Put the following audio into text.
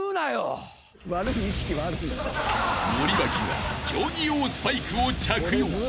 ［森脇が競技用スパイクを着用］